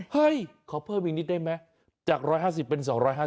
ขอเพิ่มอีกนิดได้ไหมจาก๑๕๐เป็น๒๕๐